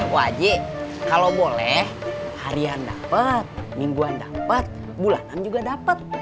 wajib kalau boleh harian dapat mingguan dapat bulanan juga dapat